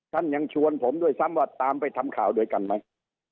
ยังชวนผมด้วยซ้ำว่าตามไปทำข่าวด้วยกันไหม